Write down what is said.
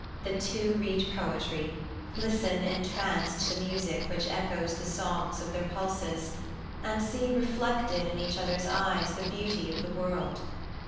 The two read poetry, listen entranced to music which echoes the songs of their pulses, and see reflected in each other's eyes the beauty of the world.